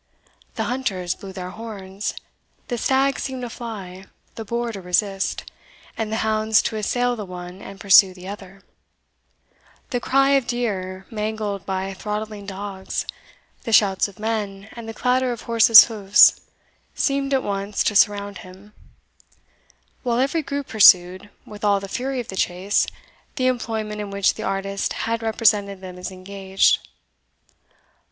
The hunters blew their horns the stag seemed to fly, the boar to resist, and the hounds to assail the one and pursue the other; the cry of deer, mangled by throttling dogs the shouts of men, and the clatter of horses' hoofs, seemed at once to surround him while every group pursued, with all the fury of the chase, the employment in which the artist had represented them as engaged.